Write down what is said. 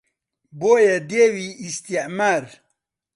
بۆیە دێوی ئیستیعمار